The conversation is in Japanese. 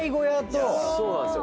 そうなんですよ。